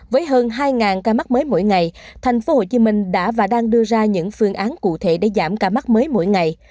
với hơn hai ca mắc mới mỗi ngày thành phố hồ chí minh đã và đang đưa ra những phương án cụ thể để giảm ca mắc mới mỗi ngày